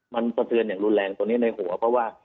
มันสะเทือนอย่างรุนแรงตรงนี้ในหัวเพราะว่า